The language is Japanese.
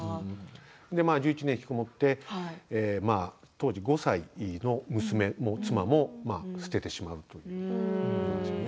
１１年、ひきこもって当時５歳の娘そして妻も捨ててしまうということです。